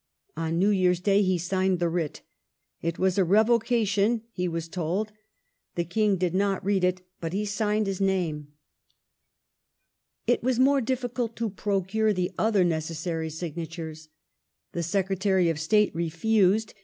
On New Year's Day he signed the writ. It was a " re vocation," he was told. The King did not read it, but he signed his name. 268 MARGARET OF ANGOUL^ME. ■ It was more difficult to procure the other necessary signatures. The Secretary of State refused.